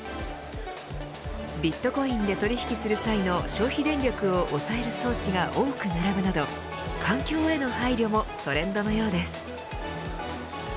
ビットコインで取引する際の消費電力を抑える装置が多く並ぶなど環境への配慮もトレンドのようです。